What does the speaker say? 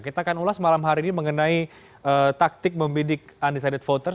kita akan ulas malam hari ini mengenai taktik membidik undecided voters